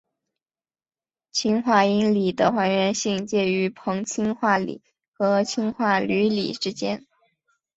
氢化铟锂的还原性介于硼氢化锂和氢化铝锂之间。